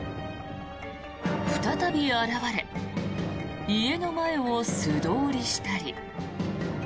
再び現れ家の前を素通りしたり。